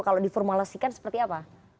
kalau diformulasikan seperti apa